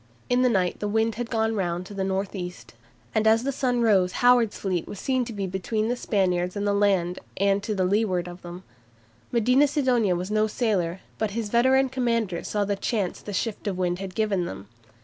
In the night the wind had gone round to the north east, and as the sun rose Howard's fleet was seen to be between the Spaniards and the land and to leeward of them. Medina Sidonia was no sailor, but his veteran commanders saw the chance the shift of the wind had given them.